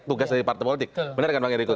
tugas dari partai politik